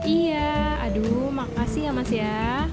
iya aduh makasih ya mas ya